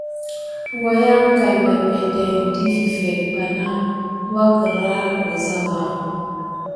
Wayaŋ kà mepente di fitetke bana wuyara kirani wuza va.